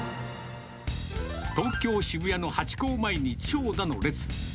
東京・渋谷のハチ公前に長蛇の列。